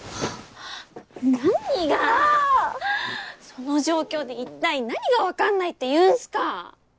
その状況で一体何が分かんないっていうんすか！